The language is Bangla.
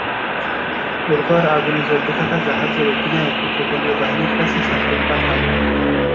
এর পর আগুনে জ্বলতে থাকা জাহাজের অধিনায়ক উপকূলীয় বাহিনীর কাছে সংকেত পাঠান।